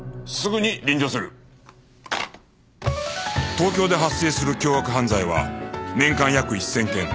東京で発生する凶悪犯罪は年間約１０００件